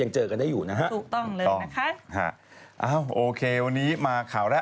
ยังเจอกันได้อยู่นะฮะฟังเลยนะฮะโอเควันนี้มาข่าวแรก